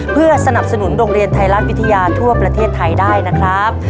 เพื่อสนับสนุนโรงเรียนไทยรัฐวิทยาทั่วประเทศไทยได้นะครับ